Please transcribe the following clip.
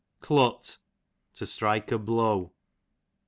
Clut, to strike, a blow.